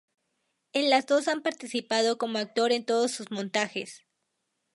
En las dos ha participado como actor en todos sus montajes.